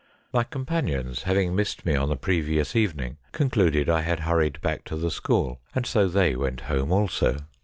My companions, having missed me on the previous evening, con cluded I had hurried back to the school, and so they went home also.